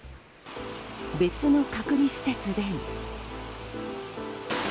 別の隔離施設でも。